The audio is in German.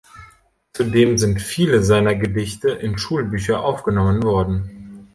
Zudem sind viele seiner Gedichte in Schulbücher aufgenommen worden.